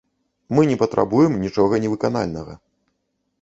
Мы не патрабуем нічога невыканальнага.